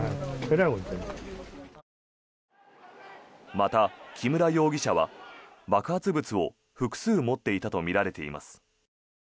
また、木村容疑者は爆発物を複数持っていたとみられています。